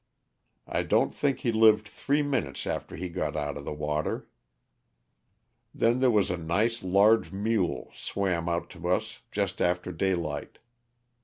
I don't think he lived three minutes after he got out of the water. Then there was a nice large mule swam out to us just after daylight.